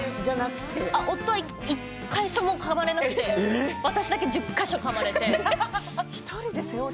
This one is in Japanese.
夫は１か所もかまれなくて、私は１０か所も。